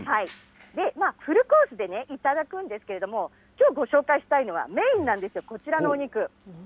フルコースで頂くんですけれども、きょうご紹介したいのは、メインなんですよ、こちらのお肉。